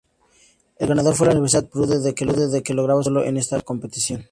El ganador fue la Universidad Purdue, que lograba su primer título en esta competición.